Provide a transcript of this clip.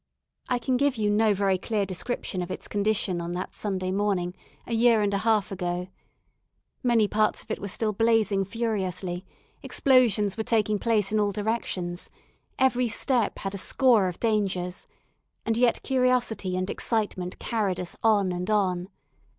I can give you no very clear description of its condition on that Sunday morning, a year and a half ago. Many parts of it were still blazing furiously explosions were taking place in all directions every step had a score of dangers; and yet curiosity and excitement carried us on and on.